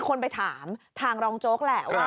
คุณผู้ชมฟังช่างปอลเล่าคุณผู้ชมฟังช่างปอลเล่า